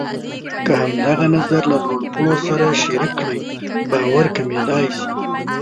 که همدغه نظر له لوړ پوړو سره شریک کړئ، باور کمېدای شي.